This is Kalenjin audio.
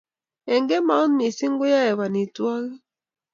eng kemout mising koae banitwagik